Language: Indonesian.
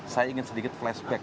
saya ingin sedikit flashback